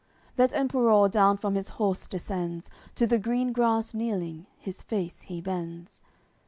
AOI. CCXXVI That Emperour down from his horse descends; To the green grass, kneeling, his face he bends.